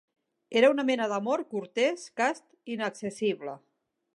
Era una mena d'amor cortès, cast i inaccessible.